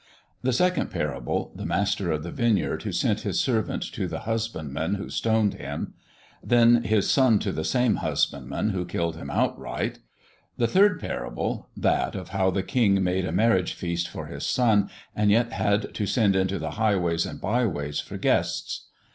The second parable the master of the vineyard who sent his servant to the husbandmen, who stoned him; then his son to the same husbandmen, who killed him outright. The third parable that of how the king made a marriage feast for his son and yet had to send into the highways and byways for guests.